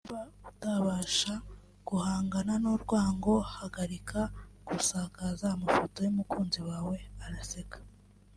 Ati “Niba utabasha guhangana n’urwango hagarika gusakaza amafoto y’umukunzi wawe [araseka]